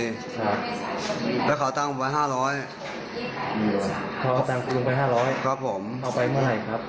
ครับแล้วเขาตั้งไปห้าร้อยเขาตั้งไปห้าร้อยครับผมเอาไปเมื่อไหร่ครับ